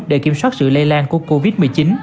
để kiểm soát sự lây lan của covid một mươi chín